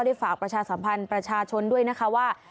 ได้ฝากประชาสตร์ผ่านประชาชนด้วยนะคะว่า